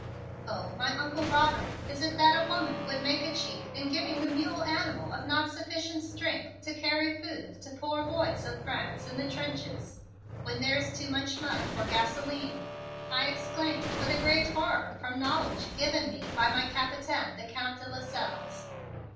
"Oh, my Uncle Robert, is it that a woman would make a cheat in giving the mule animal of not sufficient strength to carry food to poor boys of France in the trenches when there is too much mud for gasoline!" I exclaimed with a great horror from knowledge given me by my Capitaine, the Count de Lasselles.